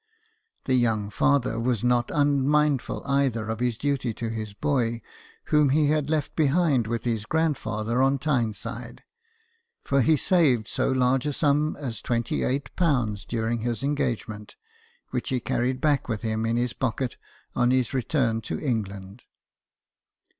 The young father was not unmindful, either, of his duty to his boy, whom he had left behind with his grandfather on Tyneside ; for he saved so large a sum as ^"28 during his engagement, which he carried back with him in his pocket on his return to England.